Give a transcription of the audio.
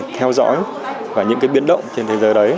theo dõi những biến động trên thế giới đấy